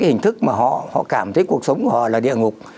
hình thức mà họ cảm thấy cuộc sống của họ là địa ngục